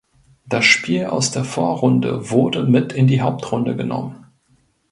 Das Spiel aus der Vorrunde wurde mit in die Hauptrunde genommen.